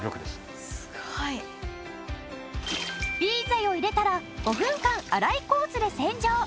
Ｂ剤を入れたら５分間洗いコースで洗浄。